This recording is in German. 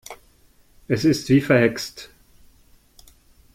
Es ist wie verhext.